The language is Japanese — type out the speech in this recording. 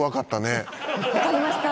わかりました。